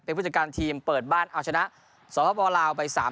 เป็นผู้จัดการทีมเปิดบ้านเอาชนะสปลาวไป๓๐